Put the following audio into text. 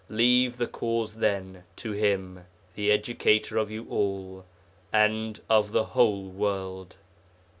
Leave the cause, then, to him, the educator of you all, and of the whole world.'